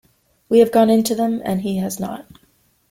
We have gone into them, and he has not.